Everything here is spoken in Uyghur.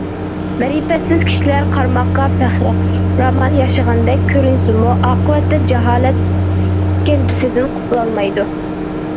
مەرىپەتسىز كىشىلەر قارىماققا بەخىرامان ياشىغاندەك كۆرۈنسىمۇ، ئاقىۋەتتە جاھالەت ئىسكەنجىسىدىن قۇتۇلالمايدۇ.